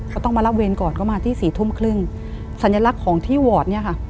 ก็ต้องมารับเวรก่อนก็มาที่สี่ทุ่มครึ่งสัญลักษณ์ของที่วอร์ดเนี่ยค่ะ